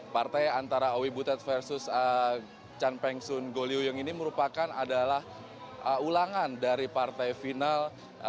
partai antara owi butet versus chan pengsun goh liu ying ini merupakan adalah ulangan dari partai final